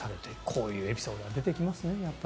こういうエピソードが出てきますね。